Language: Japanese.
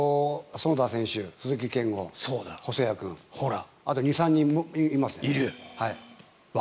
其田選手、鈴木健吾、細谷君あと２、３人います。